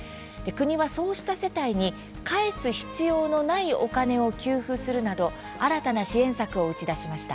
国は、そうした世帯に返す必要のないお金を給付するなど新たな支援策を打ち出しました。